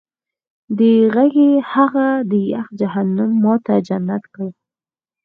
دې غېږې هغه د یخ جهنم ما ته جنت کړ